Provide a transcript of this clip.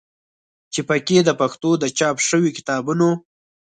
چې په کې د پښتو د چاپ شوي کتابونو